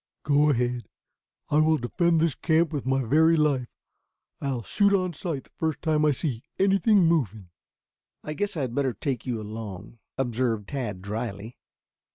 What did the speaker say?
"Go ahead. I will defend this camp with my very life. I'll shoot on sight the first time I see anything moving." "I guess I had better take you along," observed Tad dryly.